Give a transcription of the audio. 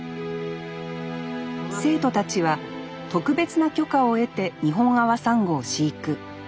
生徒たちは特別な許可を得てニホンアワサンゴを飼育。